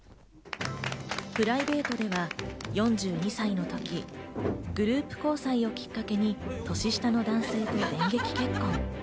プライベートでは４２歳のときグループ交際をきっかけに年下の男性と電撃結婚。